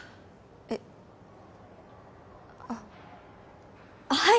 えっあっはい！